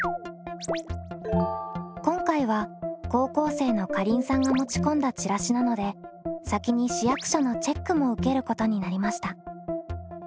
今回は高校生のかりんさんが持ち込んだチラシなので先に市役所のチェックも受けることになりました。